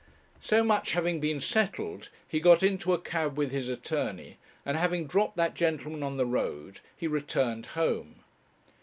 So much having been settled, he got into a cab with his attorney, and having dropped that gentleman on the road, he returned home.